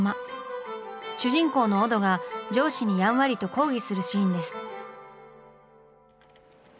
主人公のオドが上司にやんわりと抗議するシーンです。